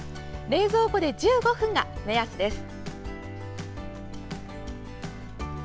冷蔵庫で１５分が目安です。